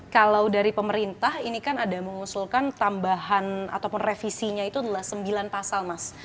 kalau dari pemerintah ini kan ada mengusulkan tambahan ataupun revisinya itu adalah sembilan pasal mas